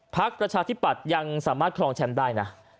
ประชาธิปัตย์ยังสามารถครองแชมป์ได้นะ